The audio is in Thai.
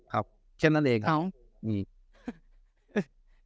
ครับแค่นั้นเองครับ